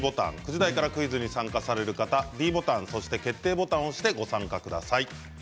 ９時台からの方はｄボタンそして決定ボタンを押してご参加ください。